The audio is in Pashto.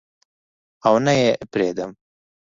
او نه یې پریدم